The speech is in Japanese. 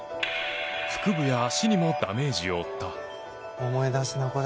腹部や足にもダメージを負った。